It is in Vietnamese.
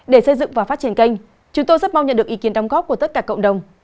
để xây dựng và phát triển kênh chúng tôi rất mong nhận được ý kiến đóng góp của tất cả cộng đồng